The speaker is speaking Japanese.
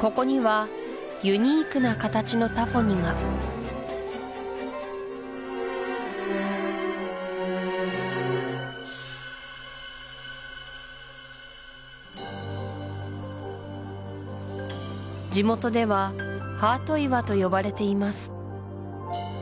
ここにはユニークな形のタフォニが地元ではハート岩と呼ばれています